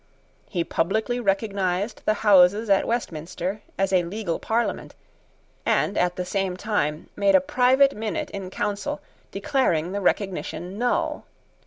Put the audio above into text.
He publicly recognised the Houses at Westminster as a legal Parliament, and, at the same time, made a private minute in council declaring the recognition null.